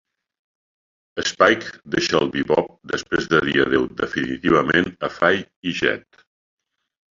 Spike deixa el "Bebop" després de dir adéu definitivament a Faye i Jet.